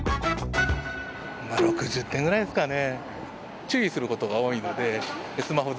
まあ、６０点ぐらいですかね。